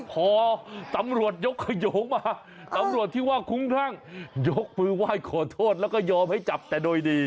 พอตำรวจยกขยงมาตำรวจที่ว่าคุ้มครั่งยกมือไหว้ขอโทษแล้วก็ยอมให้จับแต่โดยดี